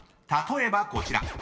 例えばこちら］